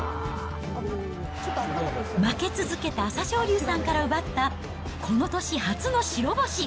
負け続けた朝青龍さんから奪った、この年初の白星。